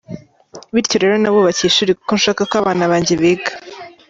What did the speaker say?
Bityo rero nabubakiye ishuri kuko nshaka ko abana banjye biga.